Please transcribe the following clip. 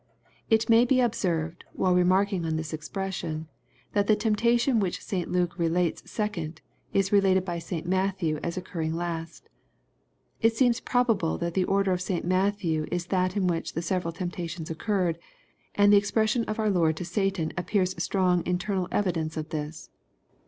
It may be observed, while remarking on this expression, that the temptation which St Luke relates second, is related by St Matthew as occurring last It seems probable that the order of St Matthew is that in which the several temptations occurred, and the expression of our Lord to Satan appears strong internal evidence of this.